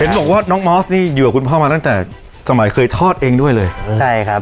บอกว่าน้องมอสนี่อยู่กับคุณพ่อมาตั้งแต่สมัยเคยทอดเองด้วยเลยใช่ครับ